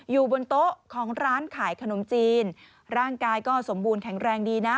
อยู่บนโต๊ะของร้านขายขนมจีนร่างกายก็สมบูรณแข็งแรงดีนะ